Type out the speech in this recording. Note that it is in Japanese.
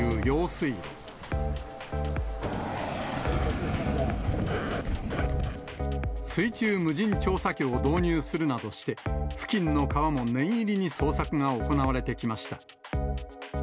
水中無人調査機を導入するなどして、付近の川も念入りに捜索が行われてきました。